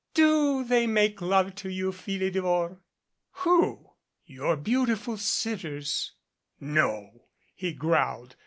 Do they make love to you, Philidor ?" "Who?" "Your beautiful sitters." "No," he growled.